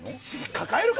抱えるか！